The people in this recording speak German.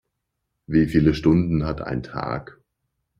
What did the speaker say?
Wie viele Stunden hat ein Tag?